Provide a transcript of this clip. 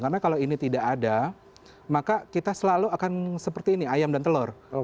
karena kalau ini tidak ada maka kita selalu akan seperti ini ayam dan telur